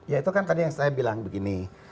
ya itu kan tadi yang saya bilang begini